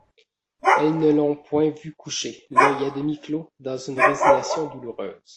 Elles ne l'ont point vu couché, l'œil a demi clos, dans une résignation douloureuse.